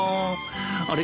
あれ？